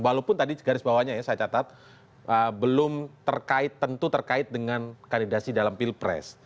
walaupun tadi garis bawahnya ya saya catat belum terkait tentu terkait dengan kandidasi dalam pilpres